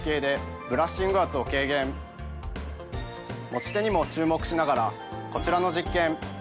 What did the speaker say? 持ち手にも注目しながらこちらの実験。